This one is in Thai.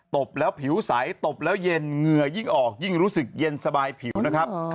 บแล้วผิวใสตบแล้วเย็นเหงื่อยิ่งออกยิ่งรู้สึกเย็นสบายผิวนะครับ